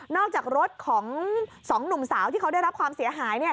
จากรถของสองหนุ่มสาวที่เขาได้รับความเสียหายเนี่ย